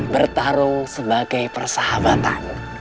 bertarung sebagai persahabatan